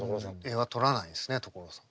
映画撮らないですね所さん。